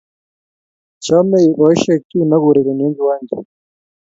chomei boisiek chuno kourereni en kiwanja